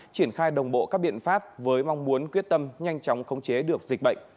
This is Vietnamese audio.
triển khai đồng bộ các biện pháp với mong muốn quyết tâm nhanh chóng khống chế được dịch bệnh